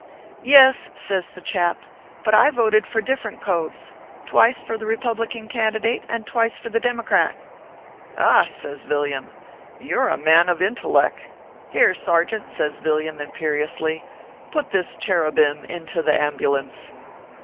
" Yes," says the chap :" but I voted for different coves twice for the Republican candidate and twice for the Democrat." "Ha \" says Villiam, " you re a man of intellect Here, sargent," says Villiam, imperiously, " put this cherubim into the ambulance."